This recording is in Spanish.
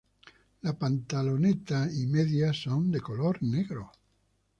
La pantaloneta y medias son de color negro.